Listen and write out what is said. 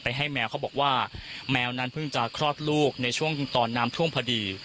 ให้แมวเขาบอกว่าแมวนั้นเพิ่งจะคลอดลูกในช่วงตอนน้ำท่วมพอดี